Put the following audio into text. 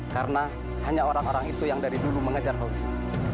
karena hanya orang orang itu yang dari dulu mengejar fauzi